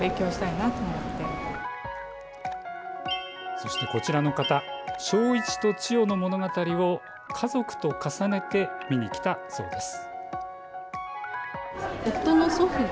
そして、こちらの方正一と千代の物語を家族と重ねて見に来たそうです。